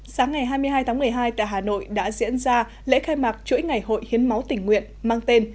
sáng ngày hai mươi hai tháng một mươi hai tại hà nội đã diễn ra lễ khai mạc chuỗi ngày hội hiến máu tỉnh nguyện mang tên